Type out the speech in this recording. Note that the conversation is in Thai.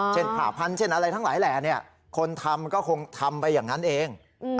ผ่าพันธุ์เช่นอะไรทั้งหลายแหล่คนทำก็คงทำไปอย่างนั้นเอง